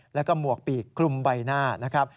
แล้วก็หมวกปีกคลุมใบหน้านะครับ